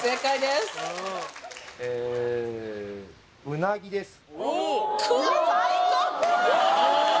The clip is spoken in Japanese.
うなぎです